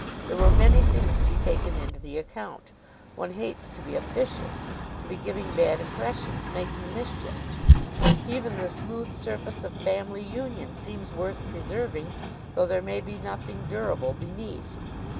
There were many things to be taken into the account. One hates to be officious, to be giving bad impressions, making mischief. Even the smooth surface of family union seems worth preserving, though there may be nothing durable beneath.